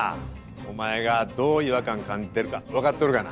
お前がどう違和感感じてるかわかっとるがな。